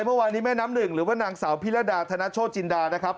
เมื่อวานนี้แม่น้ำหนึ่งหรือว่านางสาวพิรดาธนโชจินดานะครับ